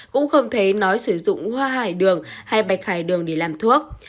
cũng không thấy nói sử dụng hoa hải đường hay bạch hải đường để làm thuốc